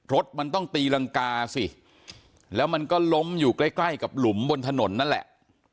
รถมันต้องตีรังกาสิแล้วมันก็ล้มอยู่ใกล้ใกล้กับหลุมบนถนนนั่นแหละ